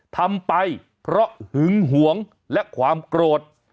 ทำไปเพราะหึงหวงและความโกรธ